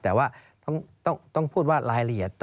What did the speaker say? แต่ว่าต้องพูดว่ารายละเอียด